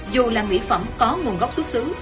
dù là mỹ phẩm có nguồn gốc xuất xứ